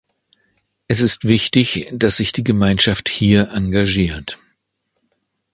Es ist wichtig, dass sich die Gemeinschaft hier engagiert.